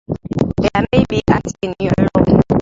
There may be ants in your lawn.